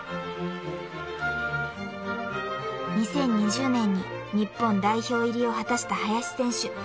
［２０２０年に日本代表入りを果たした林選手］